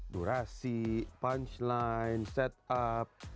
durasi punchline setup